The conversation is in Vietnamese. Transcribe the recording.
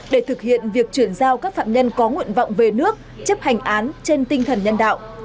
để thực hiện việc chuyển giao các phạm nhân có nguyện vọng về nước chấp hành án trên tinh thần nhân đạo